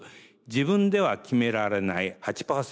「自分では決められない」８％。